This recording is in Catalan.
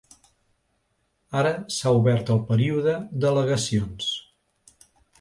Ara s’ha obert el període d’al·legacions.